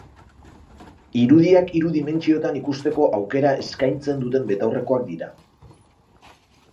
Irudiak hiru dimentsiotan ikusteko aukera eskaintzen duten betaurrekoak dira.